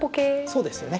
そうですよね。